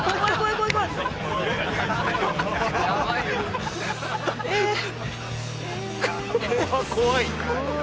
これは怖い！